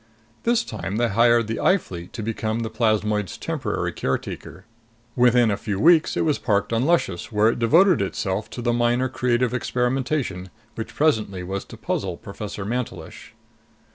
This time they hired the I Fleet to become the plasmoid's temporary caretaker. Within a few weeks it was parked on Luscious, where it devoted itself to the minor creative experimentation which presently was to puzzle Professor Mantelish.